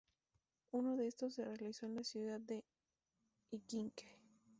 Uno de estos se realizó en la ciudad de Iquique.